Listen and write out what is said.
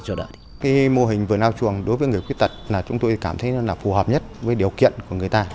trở lại cái mô hình vườn ao chuồng đối với người khuyết tật là chúng tôi cảm thấy nó là phù hợp nhất với điều kiện của người ta